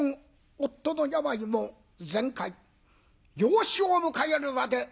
夫の病も全快養子を迎えるわで大喜び。